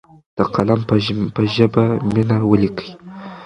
د قلم په ژبه مینه ولیکئ.